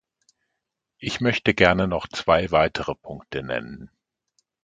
Ich möchte gerne noch zwei weitere Punkte nennen.